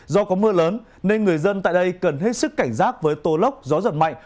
do có mưa lớn nên người dân tại đây cần hết sức cảnh giác với tô lốc gió giật mạnh